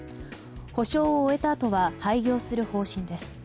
補償を終えたあとは廃業する方針です。